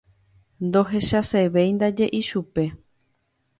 Ndohechasevéindaje ichupe.